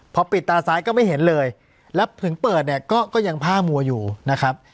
พอปิดตาซ้ายก็ไม่เห็นเลยแล้วถึงเปิดเนี่ยก็ยังผ้ามัวอยู่นะครับ